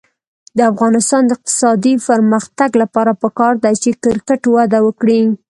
د افغانستان د اقتصادي پرمختګ لپاره پکار ده چې کرکټ وده وکړي.